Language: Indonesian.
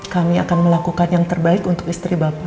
kami akan melakukan yang terbaik untuk istri bapak